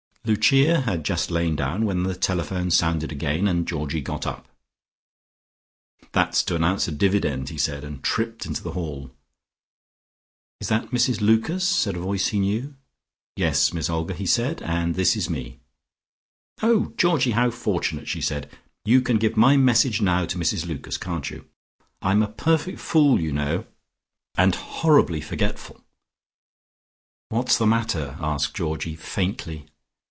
Lucia had just lain down, when the telephone sounded again and Georgie got up. "That's to announce a dividend," he said, and tripped into the hall. "Is that Mrs Lucas'?" said a voice he knew. "Yes, Miss Olga," he said, "and this is me." "Oh, Mr Georgie, how fortunate," she said. "You can give my message now to Mrs Lucas, can't you? I'm a perfect fool, you know, and horribly forgetful." "What's the matter?" asked Georgie faintly.